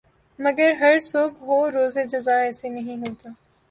مگر ہر صبح ہو روز جزا ایسے نہیں ہوتا